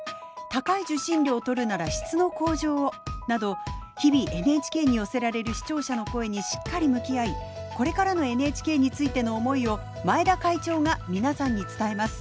「高い受信料とるなら質の向上を！」など日々ＮＨＫに寄せられる視聴者の声にしっかり向き合いこれからのＮＨＫについての思いを前田会長が皆さんに伝えます。